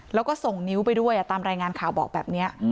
แล้วก็ส่งนิ้วไปด้วยตามรายงานข่าวบอกแบบนี้